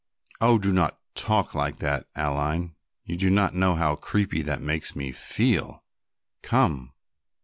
"Oh, do not talk like that, Aline, you do not know how creepy you make me feel. Come."